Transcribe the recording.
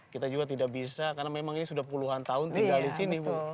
kita juga tidak bisa karena memang ini sudah puluhan tahun tinggal di sini bu